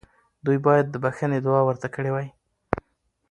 دوی باید د بخښنې دعا ورته کړې وای.